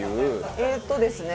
えーっとですね